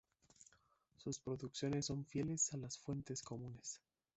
Sus producciones son fieles a las fuentes comunes.